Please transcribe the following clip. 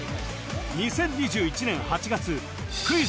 ２０２１年８月クイズ